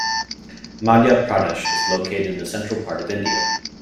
Madhya Pradesh is located in the central part of India.